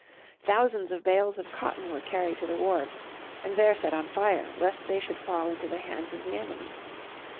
Thousands of bales of cotton were carried to the wharves, and there set on fire, lest they should fall into the hands of the enemy.